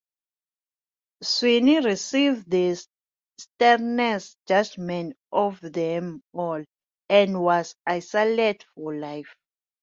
Sweyn received the sternest judgement of them all, and was exiled for life.